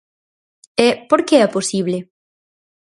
E ¿por que é posible?